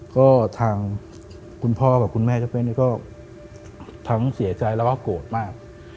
ก็ทางคุณพ่อกับคุณแม่เจ้าเป้นี่ก็ทั้งเสียใจแล้วก็โกรธมาก